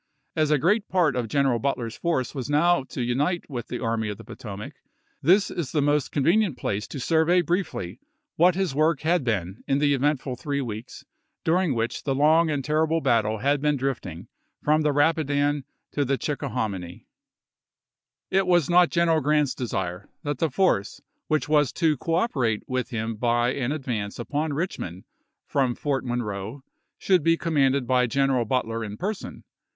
As a gi'eat part of General Butler's force was now to unite with the Army of the Potomac, this is the most convenient place to survey briefly what his work had been in the eventful three weeks, during which the long and terrible battle had been drifting from the Rapidan to the Chickahominy. 392 ABRAHAM LINCOLN Chap. XV. It was not GrGneral Grant's desire that the force which was to cooperate with him by an advance upon Eichmond from Fort Monroe should be com manded by General Butler in person.